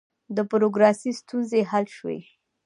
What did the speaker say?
د بروکراسۍ ستونزې حل شوې؟